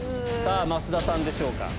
増田さんでしょうか？